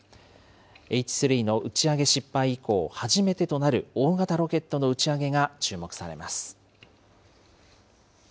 Ｈ３の打ち上げ失敗以降、初めてとなる大型ロケットの打ち上げが注目されます。